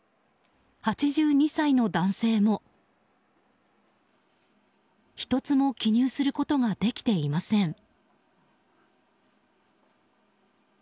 ８２歳の男性も、１つも記入することができていません。